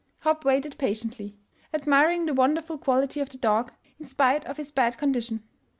Hopp waited patiently, admiring the won derful quality of the dog, in spite of his bad condition.